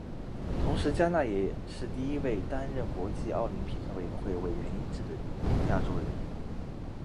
同时嘉纳也是第一位担任国际奥林匹克委员会委员一职的亚洲人。